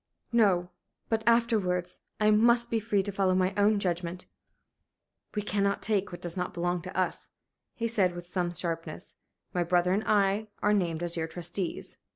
"No. But afterwards I must be free to follow my own judgment." "We cannot take what does not belong to us," he said, with some sharpness. "My brother and I are named as your trustees.